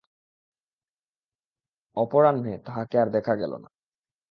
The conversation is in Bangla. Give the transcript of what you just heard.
অপরাহ্নে তাহাকে আর দেখা গেল না।